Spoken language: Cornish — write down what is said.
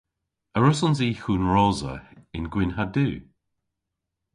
A wrussons i hunrosa yn gwynn ha du?